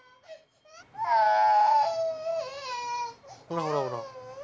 ほらほらほら。